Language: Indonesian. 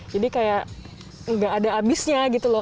jadi kayak nggak ada abisnya gitu loh